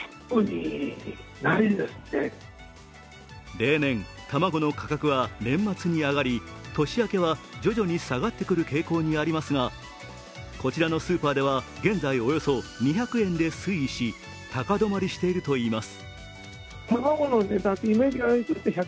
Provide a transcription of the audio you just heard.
例年、卵の価格は年末に上がり年明けは徐々に下がってくる傾向にありますがこちらのスーパーでは、現在およそ２００円で推移し高どまりしているといいます。